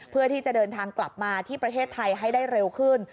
เพื่อที่จะเดินทางกลับมาที่ประเทศไทยให้ได้เร็วขึ้น